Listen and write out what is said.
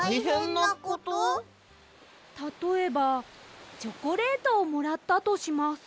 たとえばチョコレートをもらったとします。